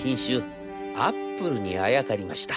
アップルにあやかりました。